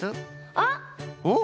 あっ！おっ？